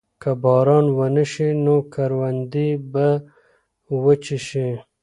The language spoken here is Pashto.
که باران ونه شي نو کروندې به وچې شي.